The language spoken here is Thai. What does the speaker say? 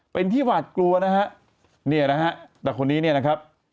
เป็นที่หวาดกลัวนะฮะเนี่ยนะฮะแต่คนนี้เนี่ยนะครับ